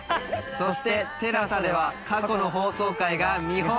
そしてＴＥＬＡＳＡでは過去の放送回が見放題です。